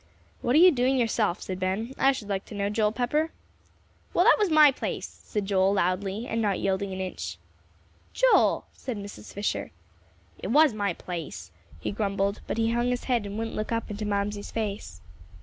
"What are you doing yourself," said Ben, "I sh'd like to know, Joel Pepper?" "Well, that was my place," said Joel, loudly, and not yielding an inch. "Joel!" said Mrs. Fisher. "It was my place," he grumbled. But he hung his head and wouldn't look up into Mamsie's face.